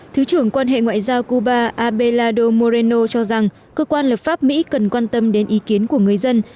thứ trưởng quan hệ ngoại giao cuba abelado moreeno cho rằng cơ quan lập pháp mỹ cần quan tâm đến ý kiến của người dân